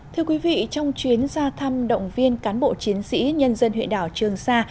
thưa quý vị trong chuyến ra thăm động viên cán bộ chiến sĩ nhân dân huyện đảo trường sa